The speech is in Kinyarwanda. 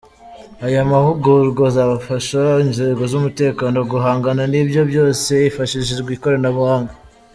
Aya mahugurwa azafasha inzego z’umutekano guhangana n’ibyo byose hifashishijwe ikoranabuhanga.